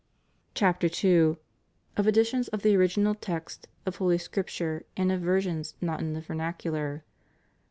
CHAPTER II. Of Editions of the Original Text of Holy Scripture and of Versions not in the Vernacular.